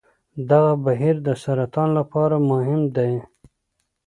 دغه بهیر د سرطان لپاره مهم دی.